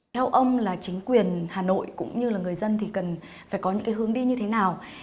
theo ông là chính quyền hà nội cũng như là người dân thì cần phải có những hướng đi như thế nào